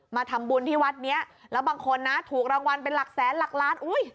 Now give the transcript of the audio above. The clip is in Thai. มาทำบุญที่วัดนี้แล้วบางคนนะถูกรางวัลเป็นหลักแสนหลักล้านอุ้ย